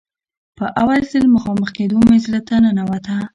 په اول ځل مخامخ کېدو مې زړه ته ننوته.